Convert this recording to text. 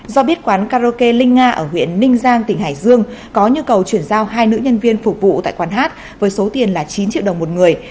do biết quán karaoke linh nga ở huyện ninh giang tỉnh hải dương có nhu cầu chuyển giao hai nữ nhân viên phục vụ tại quán hát với số tiền là chín triệu đồng một người